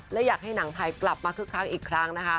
และอยากให้หนังไทยกลับมาคึกคักอีกครั้งนะคะ